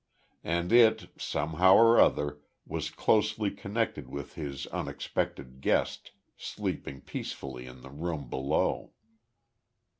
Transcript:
And it, somehow or other, was closely connected with his unexpected guest, sleeping peacefully in the room below.